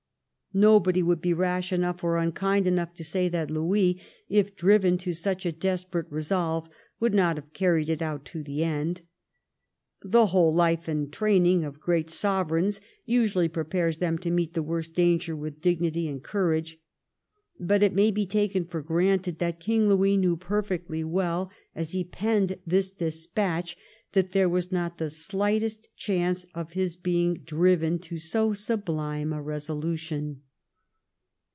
Nobody would be rash enough or unkind enough to say that Louis if driven to such a desperate resolve would not have carried it out to the end. The whole life and training of great Sovereigns usually prepare them to meet the worst danger with dignity and courage. But it may be taken for granted that King Louis knew perfectly well, as he penned this despatch, that there was not the shghtest chance of his being driven to so sublime a resolution.